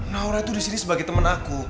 naura tuh disini sebagai temen aku